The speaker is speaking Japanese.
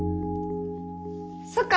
そっか。